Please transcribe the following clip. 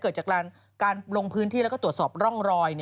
เกิดจากการลงพื้นที่แล้วก็ตรวจสอบร่องรอย